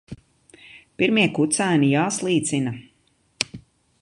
Pirmie kucēni jāslīcina.